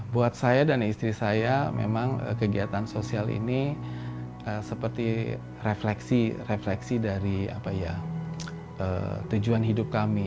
buat saya dan istri saya memang kegiatan sosial ini seperti refleksi dari tujuan hidup kami